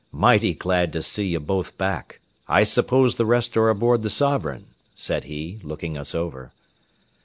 "Mighty glad t' see ye both back. I suppose the rest are aboard the Sovereign" said he, looking us over.